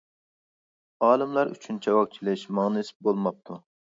ئالىملار ئۈچۈن چاۋاك چېلىش ماڭا نېسىپ بولماپتۇ.